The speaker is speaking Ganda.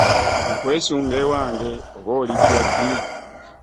Nkwesunga ewange oba olijja ddi?